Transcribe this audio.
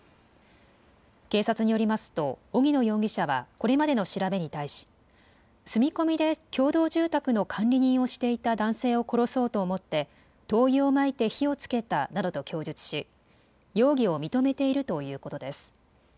警察によりますと荻野容疑者はこれまでの調べに対し住み込みで共同住宅の管理人をしていた男性を殺そうと思って灯油をまいて火をつけたなどと供述し容疑を認めているということです。